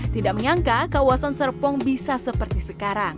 tidak menyangka kawasan serpong bisa seperti sekarang